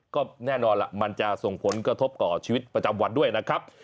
ก็แน่นอนล่ะมันจะส่งผลกระทบต่อชีวิตประจำวันด้วยนะครับ